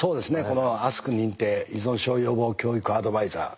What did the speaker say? この「ＡＳＫ認定依存症予防教育アドバイザー」。